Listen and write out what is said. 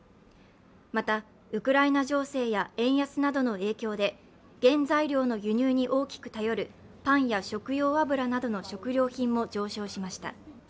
またウクライナ情勢や円安などの影響で原材料の輸入に大きく頼るパンや食用油などの食料品も上昇しました。